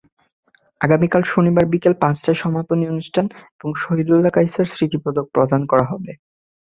আগামীকাল শনিবার বিকেল পাঁচটায় সমাপনী অনুষ্ঠান এবং শহীদুল্লা কায়সার স্মৃতিপদক প্রদান করা হবে।